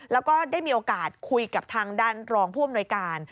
แล้วก็ได้มีโอกาสคุยกับทางด้านรองผู้อำนวยการ